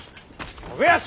信康！